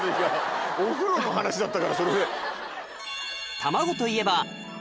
お風呂の話だったからそれで。